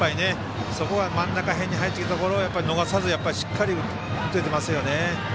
そこを真ん中辺にきたボールを逃さずしっかり打ててますよね。